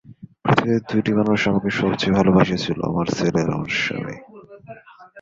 পৃথিবীতে দুটি মানুষ আমাকে সব চেয়ে ভালোবাসিয়াছিল, আমার ছেলে আর আমার স্বামী।